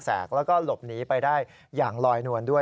แล้วก็หลบหนีไปได้อย่างลอยนวลด้วย